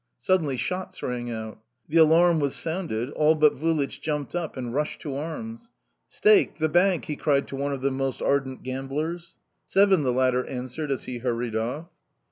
Suddenly shots rang out. The alarm was sounded; all but Vulich jumped up and rushed to arms. "Stake, va banque!" he cried to one of the most ardent gamblers. "Seven," the latter answered as he hurried off.